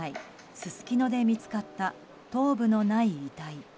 すすきので見つかった頭部のない遺体。